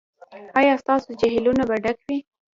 ایا ستاسو جهیلونه به ډک وي؟